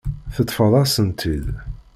Teṭṭfeḍ-asent-t-id.